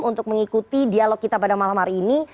untuk mengikuti dialog kita pada malam hari ini